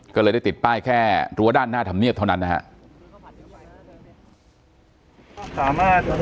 ก็เลยได้ติดป้ายแค่รั้วด้านหน้าธรรมเนียบเท่านั้นนะครับ